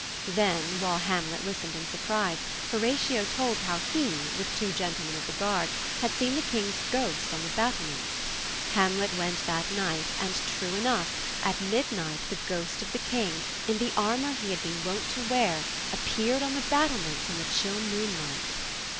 Then, while Hamlet listened in surprise, Horatio told how he, with two gentlemen of the guard, had seen the King's ghost on the battlements. Hamlet went that night, and true enough, at midnight, the ghost of the King, in the armor he had been wont to wear, appeared on the battlements in the chill moonlight.